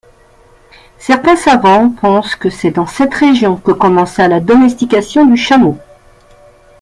Certains savants pensent que c’est dans cette région que commença la domestication du chameau.